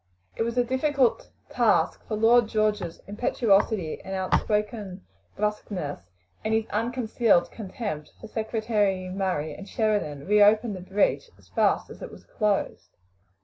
It was a difficult task, for Lord George's impetuosity and outspoken brusqueness, and his unconcealed contempt for Secretary Murray and Sheridan, reopened the breach as fast as it was closed.